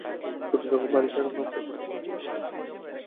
ছোট যখন বাড়ি ছাড়ে, মাকে কথা দিয়েছিলাম, তাকে জীবিত ফিরিয়ে আনব।